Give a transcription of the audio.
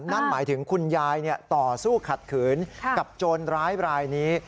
นั่นหมายถึงคุณยายต่อสู้ขัดขืนกับโจรร้ายรายนี้